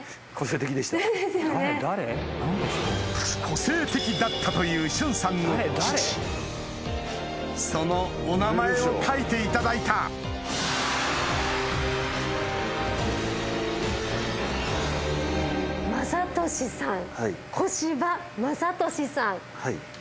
個性的だったという俊さんの父そのお名前を書いていただいた昌俊さん。